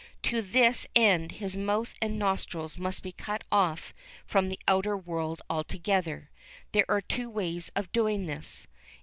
To this end his mouth and nostrils must be cut off from the outer world altogether. There are two ways of doing this.